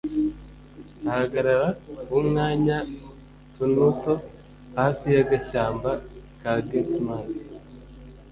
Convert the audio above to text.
Ahagarara wmwanya tnuto hafi y'agashyamba ka Getsemani